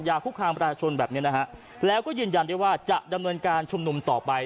คุกคามประชาชนแบบนี้นะฮะแล้วก็ยืนยันได้ว่าจะดำเนินการชุมนุมต่อไป